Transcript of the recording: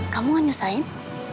kamu gak nyusahin